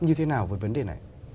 như thế nào với vấn đề này